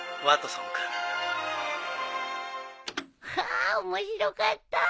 ああ面白かった。